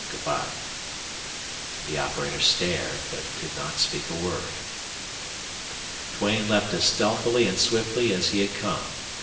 Good by." The operator stared, but did not speak a word. Duane left as stealthily and swiftly as he had come.